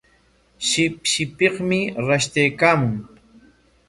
Shipshipikmi rashtaykaamun.